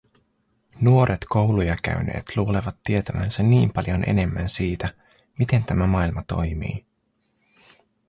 nuoret kouluja käyneet luulevat tietävänsä niin paljon enemmän siitä, miten tämä maailma toimii.